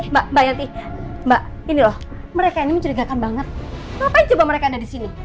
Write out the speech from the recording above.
mbak mbak yeti mbak ini loh mereka ini mencurigakan banget ngapain coba mereka ada di sini